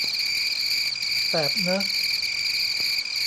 แสบเนอะ